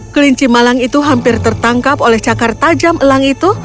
kelinci malang itu hampir tertangkap oleh cakar tajam elang itu